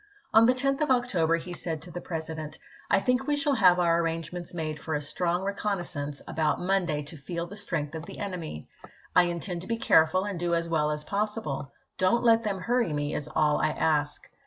On the 10th of pS October he said to the President :" I think we shall have our arrangements made for a strong reconnaissance about Monday to feel the strength of the enemy. I intend to be careful and do as well as possible. Don't let them hurry me, is all I ask."